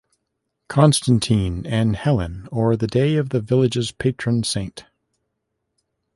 Constantine and Helen or the day of the village's patron saint.